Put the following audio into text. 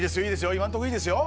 今んとこいいですよ！